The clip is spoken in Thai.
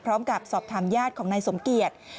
พร้อมกับสอบถามญาติของนายสมเกียจ